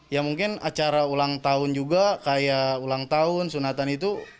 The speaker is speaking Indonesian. ya mungkin acara ulang tahun juga kayak ulang tahun sunatan itu